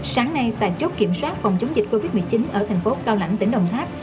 sáng nay tại chốt kiểm soát phòng chống dịch covid một mươi chín ở thành phố cao lãnh tỉnh đồng tháp